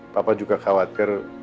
papa juga khawatir